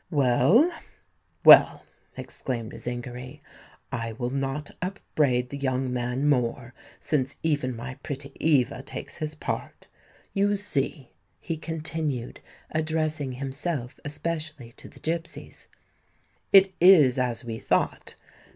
"Well—well," exclaimed Zingary: "I will not upbraid the young man more, since even my pretty Eva takes his part. You see," he continued, addressing himself especially to the gipsies, "it is as we thought.